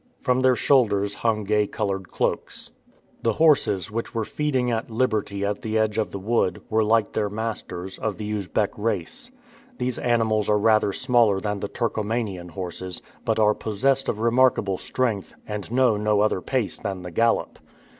From their shoulders hung gay colored cloaks. The horses, which were feeding at liberty at the edge of the wood, were, like their masters, of the Usbeck race. These animals are rather smaller than the Turcomanian horses, but are possessed of remarkable strength, and know no other pace than the gallop.